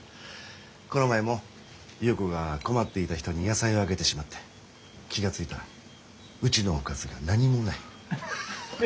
この前も優子が困っていた人に野菜をあげてしまって気が付いたらうちのおかずが何もない。